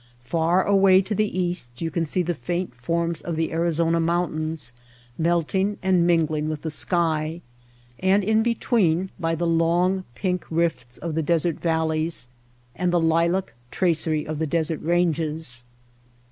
Far away to the east you can see the faint forms of the Arizona mountains melting and mingling with the sky ; and in between lie the long pink rifts of the desert valleys and the lilac tracery of the desert ranges.